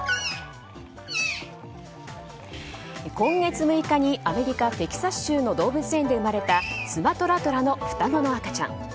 今月６日にアメリカ・テキサス州の動物園で生まれたスマトラトラの双子の赤ちゃん。